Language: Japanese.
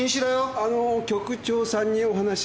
あのー局長さんにお話が。